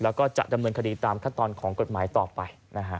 แล้วก็จะดำเนินคดีตามขั้นตอนของกฎหมายต่อไป